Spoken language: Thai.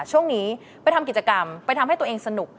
ช่วงนี้ไปทำกิจกรรมไปทำให้ตัวเองสนุก